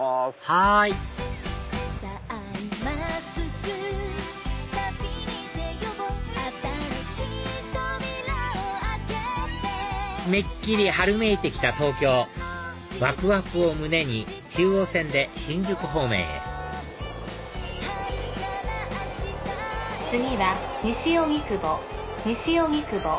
はいめっきり春めいてきた東京わくわくを胸に中央線で新宿方面へ次は西荻窪西荻窪。